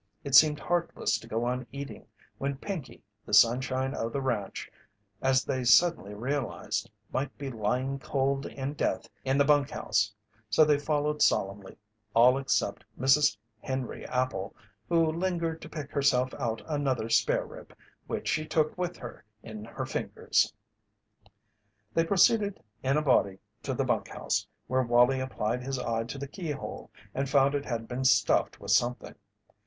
It seemed heartless to go on eating when Pinkey, the sunshine of the ranch, as they suddenly realized, might be lying cold in death in the bunk house, so they followed solemnly all except Mrs. Henry Appel, who lingered to pick herself out another spare rib, which she took with her in her fingers. They proceeded in a body to the bunk house, where Wallie applied his eye to the keyhole and found it had been stuffed with something.